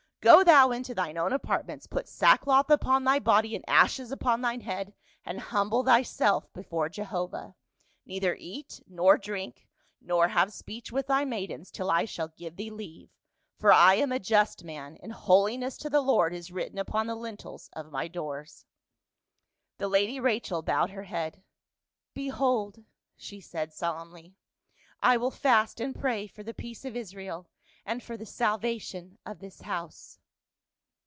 Go thou into thine own apartments, put sackcloth upon thy body, and ashes upon thine head, and hum ble thyself before Jehovah. Neither eat nor drink, nor have speech with thy maidens, till I shall give thee leave ; for I am a just man, and holiness to the Lord is written upon the lintels of my doors." The lady Rachel bowed her head. " Behold !" she said, solemnly, " I will fast and pray for the peace of Israel, and for the salvation of this house."